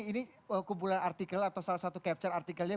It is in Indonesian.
ini kumpulan artikel atau salah satu capture artikelnya